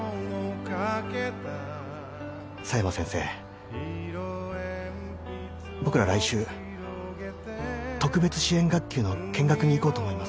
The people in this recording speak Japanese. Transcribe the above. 佐山先生僕ら来週特別支援学級の見学に行こうと思います。